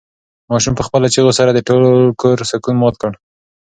ماشوم په خپلو چیغو سره د ټول کور سکون مات کړ.